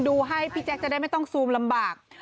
ดูให้พี่แจ๊คจะได้ไม่ต้องซูมลำบาก